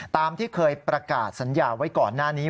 ตามที่เคยประกาศสัญญาไว้ก่อนหน้านี้